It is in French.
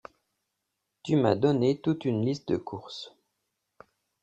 Tu m’as donné toute une liste de courses.